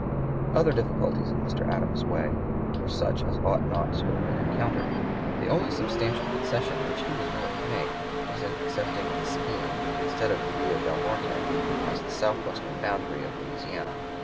Other difficulties in Mr. Adams's way were such as ought not to have been encountered. The only substantial concession which he was willing to make was in accepting the Sabine instead of the Rio del Norte as the southwestern boundary of Louisiana.